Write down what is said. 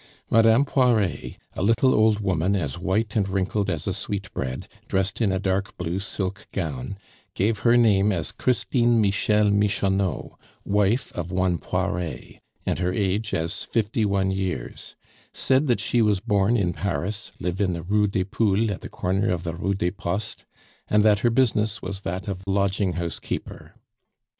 Madame Poiret, a little old woman as white and wrinkled as a sweetbread, dressed in a dark blue silk gown, gave her name as Christine Michelle Michonneau, wife of one Poiret, and her age as fifty one years, said that she was born in Paris, lived in the Rue des Poules at the corner of the Rue des Postes, and that her business was that of lodging house keeper.